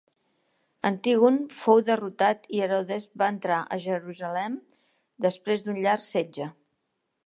Antígon fou derrotat i Herodes va entrar a Jerusalem després d'un llarg setge.